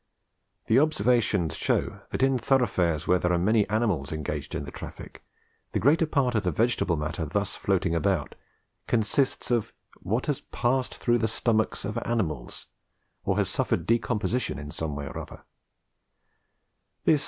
The observations show that in thoroughfares where there are many animals engaged in the traffic, the greater part of the vegetable matter thus floating about 'consists of what has passed through the stomachs of animals,' or has suffered decomposition in some way or other.